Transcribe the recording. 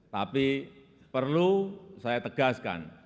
tapi perlu saya tegas